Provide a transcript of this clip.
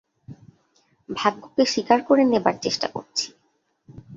ভাগ্যকে স্বীকার করে নেবার চেষ্টা করছি।